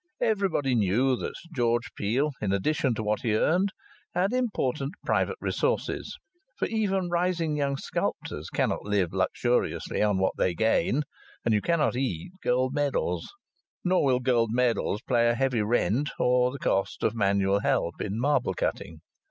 Everybody knew that George Peel, in addition to what he earned, had important "private resources." For even rising young sculptors cannot live luxuriously on what they gain, and you cannot eat gold medals. Nor will gold medals pay a heavy rent or the cost of manual help in marble cutting.